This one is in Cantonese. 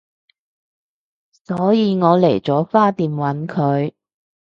所以我嚟咗花店搵佢